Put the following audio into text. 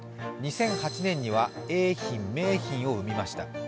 ２００８年には梅浜、永浜を産みました